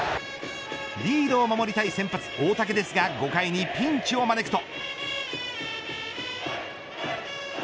リードを守りたい先発、大竹ですが５回にピンチを招くと。